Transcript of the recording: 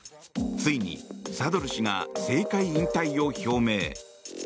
ついにサドル師が政界引退を表明。